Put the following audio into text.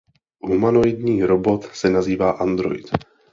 Humanoidní robot se nazývá android.